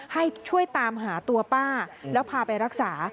ให้ช่วยตามหาตัวป้าแล้วพาไปรักษา